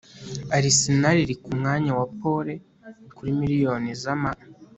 Arsenal iri kumwanya wa pole kuri miliyoni zama